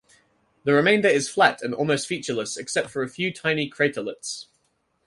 The remainder is flat and almost featureless except for a few tiny craterlets.